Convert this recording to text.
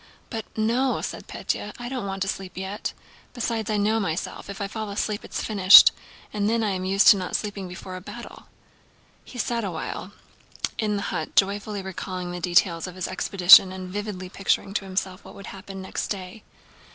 "But... no," said Pétya, "I don't want to sleep yet. Besides I know myself, if I fall asleep it's finished. And then I am used to not sleeping before a battle." He sat awhile in the hut joyfully recalling the details of his expedition and vividly picturing to himself what would happen next day.